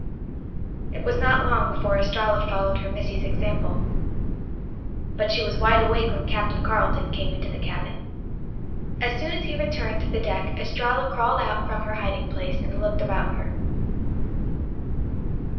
It was not long before Estralla followed her missy's example. But she was wide awake when Captain Carleton came into the cabin. As soon as he returned to the deck Estralla crawled out from her hiding place and looked about her.